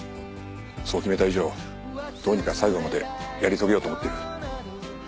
そう決めた以上どうにか最後までやり遂げようと思ってる。